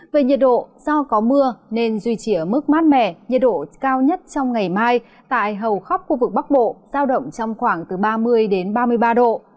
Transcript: về nhiệt độ do có mưa nên duy trì ở mức mát mẻ nhiệt độ cao nhất trong ngày mai tại hầu khắp khu vực bắc bộ giao động trong khoảng từ ba mươi đến ba mươi ba độ